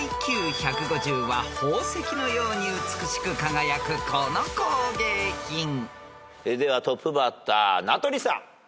［ＩＱ１５０は宝石のように美しく輝くこの工芸品］ではトップバッター名取さん。